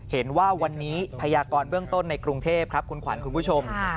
เห็นว่าวันนี้พยากรเบื้องต้นในกรุงเทพครับคุณขวัญคุณผู้ชม